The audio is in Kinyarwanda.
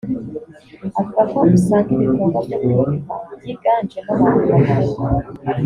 avuga ko usanga ibikorwa byo kwibuka byiganjemo abantu bakuru